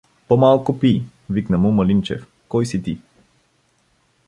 — По-малко пий! — викна му Малинчев. — Кой си ти?